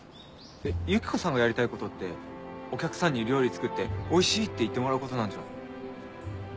えっユキコさんがやりたいことってお客さんに料理作って「おいしい」って言ってもらうことなんじゃ。